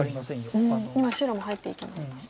今白も入っていきましたしね。